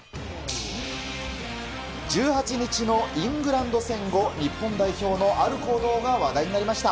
１８日のイングランド戦後、日本代表のある行動が話題になりました。